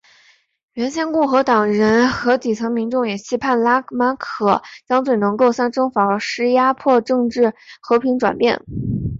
原先共和党人和底层民众也期盼拉马克将军能够向政府施压迫使政府和平转变。